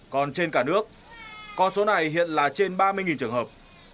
còn trên cả nước con số này hiện là trên ba mươi trường hợp